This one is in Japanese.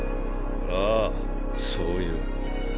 ああそういう。